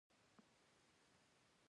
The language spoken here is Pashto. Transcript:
د اپلیکیشن غږ مې بند کړ.